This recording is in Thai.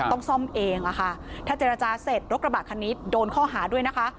ต้องซ่อมเองอะค่ะถ้าเจรจาเสร็จรถกระบะคันนี้โดนข้อหาด้วยนะคะ